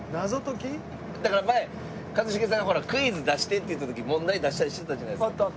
だから前一茂さんがほらクイズ出してって言った時問題出したりしてたじゃないですか。